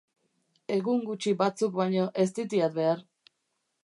Egun gutxi batzuk baino ez ditiat behar.